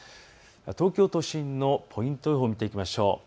東京都心のポイント予報を見ていきましょう。